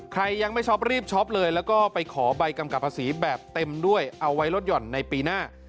ใครยังไม่ช็อปรีบช็อปเลยแล้วก็ไปขอใบกำกับภาษีแบบเต็มด้วยเอาไว้ลดหย่อนในปีหน้า